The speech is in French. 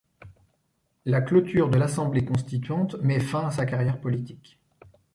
La clôture de l'Assemblée constituante met fin à sa carrière politique.